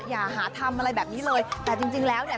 อย่าหาทำอะไรแบบนี้เลยแต่จริงจริงแล้วเนี่ย